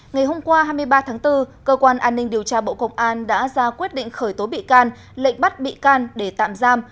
ngày hôm qua hai mươi ba tháng bốn cơ quan an ninh điều tra bộ công an đã ra quyết định khởi tố bị can lệnh bắt bị can để tạm giam